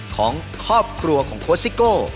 ของครอบครัวของโค้ชซิโก้